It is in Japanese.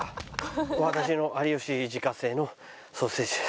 私の有吉自家製のソーセージです。